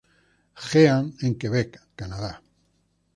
Jean en Quebec Canadá.